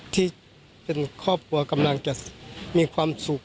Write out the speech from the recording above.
ที่เป็นครอบครัวกำลังจะมีความสุข